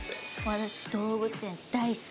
私動物園大好き。